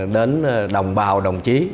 đến đồng bào đồng chí